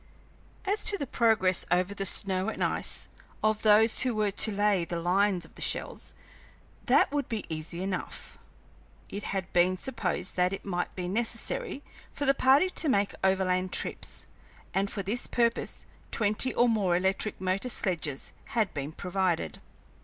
As to the progress over the snow and ice of those who were to lay the lines of shells, that would be easy enough. It had been supposed that it might be necessary for the party to make overland trips, and for this purpose twenty or more electric motor sledges had been provided.